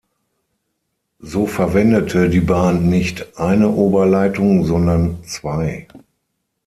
So verwendete die Bahn nicht eine Oberleitung, sondern zwei.